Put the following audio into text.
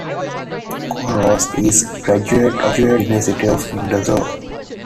Queiroz is a graduate of the University of Windsor.